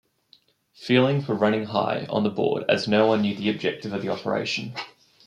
Feelings were running high on board as no-one knew the objective of the operation.